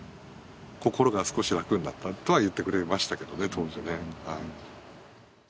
「心が少し楽になった」とは言ってくれましたけどね当時ね。